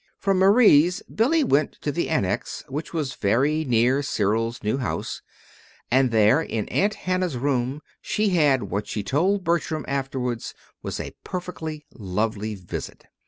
From Marie's, Billy went to the Annex, which was very near Cyril's new house; and there, in Aunt Hannah's room, she had what she told Bertram afterwards was a perfectly lovely visit.